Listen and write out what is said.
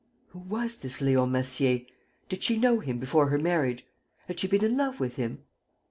Who was this Leon Massier? Did she know him before her marriage? Had she been in love with him?